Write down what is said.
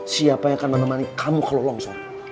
siapa yang akan menemani kamu kalau longsor